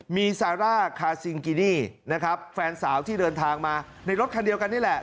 มีซาร่าคาซิงกินี่นะครับแฟนสาวที่เดินทางมาในรถคันเดียวกันนี่แหละ